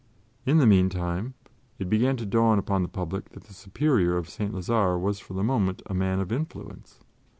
In the meantime it began to dawn upon the public that the Superior of St. Lazare was for the moment a man of influence.